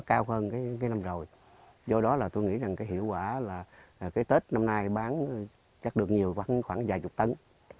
cao hơn cái năm rồi do đó là tôi nghĩ rằng cái hiệu quả là cái tết năm nay bán chắc được nhiều khoảng vài chục tấn